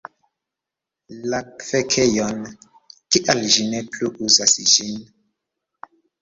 La fekejon. Kial ĝi ne plu uzas ĝin.